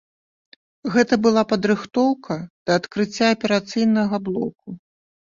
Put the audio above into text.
Гэта была падрыхтоўка да адкрыцця аперацыйнага блоку.